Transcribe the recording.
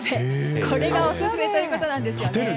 これがオススメということです。